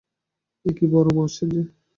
একি, বড়ো মা আসছেন যে!